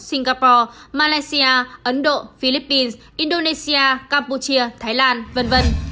singapore malaysia ấn độ philippines indonesia campuchia thái lan v v